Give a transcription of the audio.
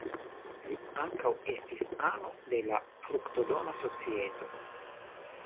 Li ankaŭ estis ano de la "Fruktodona Societo".